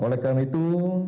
oleh karena itu